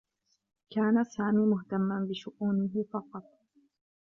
كان سامي مهتمّا بشؤونه فقط.